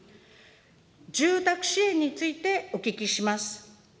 住宅支援についてお聞きします。